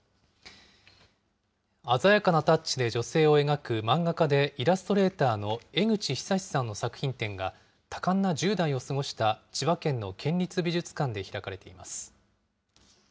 鮮やかなタッチで女性を描く、漫画家でイラストレーターの江口寿史さんの作品展が、多感な１０代を過ごした千葉県の県立美術館で開かれています。